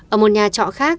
ở một nhà trọ khác